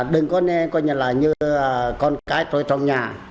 đừng có như là như con cái tôi trong nhà